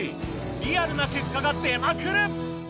リアルな結果が出まくる！